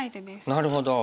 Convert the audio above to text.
なるほど。